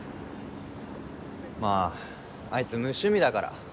まぁあいつ無趣味だから。